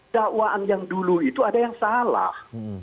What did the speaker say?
dakwaan yang dulu itu ada yang salah